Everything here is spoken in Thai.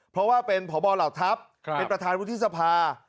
เพราะว่าเป็นพบเหล่าทัพเป็นประธานวุฒิสภา